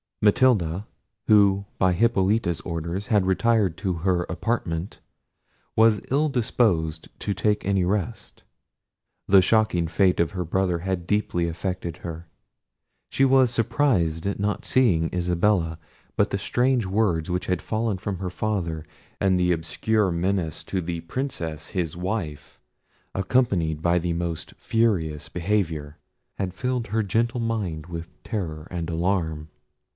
Matilda, who by Hippolita's order had retired to her apartment, was ill disposed to take any rest. The shocking fate of her brother had deeply affected her. She was surprised at not seeing Isabella; but the strange words which had fallen from her father, and his obscure menace to the Princess his wife, accompanied by the most furious behaviour, had filled her gentle mind with terror and alarm.